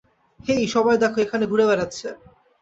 হেই, সবাই দেখো এখানে ঘুরে বেড়াচ্ছে।